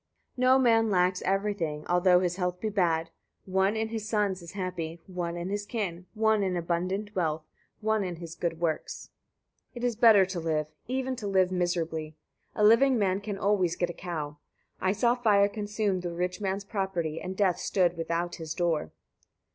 69. No man lacks everything, although his health be bad: one in his sons is happy, one in his kin, one in abundant wealth, one in his good works. 70. It is better to live, even to live miserably; a living man can always get a cow. I saw fire consume the rich man's property, and death stood without his door.